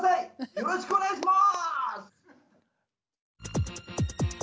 よろしくお願いします！